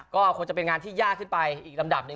ก็คงจะเป็นงานที่ยากขึ้นไปอีกลำดับหนึ่ง